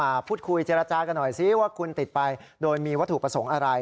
พูดคุยเจรจากันหน่อยซิว่าคุณติดไปโดยมีวัตถุประสงค์อะไร